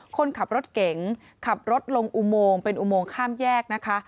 คนขับรถเก๋งขับรถลงอุโมงเป็นอุโมงข้ามแยกนะคะ